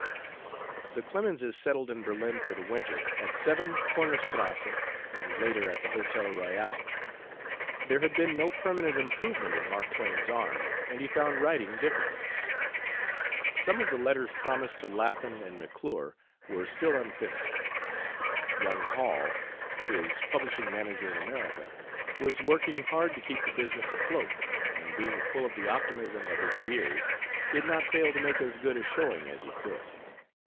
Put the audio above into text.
The Clemenses settled in Berlin for the winter, at 7 Kornerstrasse, and later at the Hotel Royal. There had been no permanent improvement in Mark Twain's arm and he found writing difficult. Some of the letters promised to Laffan and McClure were still unfinished. Young Hall, his publishing manager in America, was working hard to keep the business afloat, and being full of the optimism of his years did not fail to make as good a showing as he could.